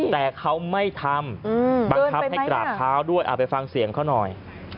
แต่เขาไม่ทำบังคับให้กราบเท้าด้วยเอาไปฟังเสียงเขาหน่อย